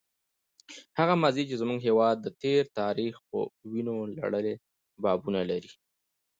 هغه ماضي چې زموږ هېواد د تېر تاریخ په وینو لړلي بابونه لري.